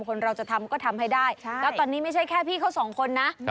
คนเราจะทำก็ทำให้ได้แล้วตอนนี้ไม่ใช่แค่พี่เขาสองคนนะ